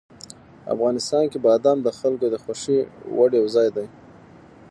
افغانستان کې بادام د خلکو د خوښې وړ یو ځای دی.